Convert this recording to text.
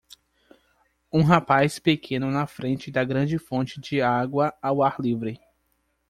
Um rapaz pequeno na frente da grande fonte de água ao ar livre.